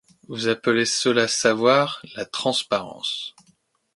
Vous appelez cela savoir. La transparence